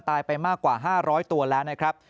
ไปมากกว่า๕๐๐ตัวแล้วนะครับ